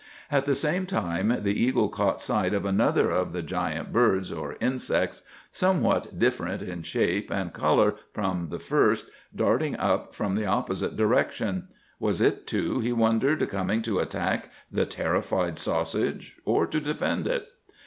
At the same time the eagle caught sight of another of the giant birds, or insects, somewhat different in shape and colour from the first, darting up from the opposite direction. Was it, too, he wondered, coming to attack the terrified sausage, or to defend it?